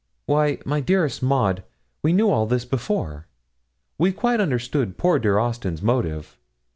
Why, my dearest Maud, we knew all this before. We quite understood poor dear Austin's motive.